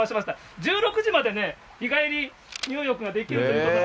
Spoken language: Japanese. １６時までね、日帰り入浴ができるということで。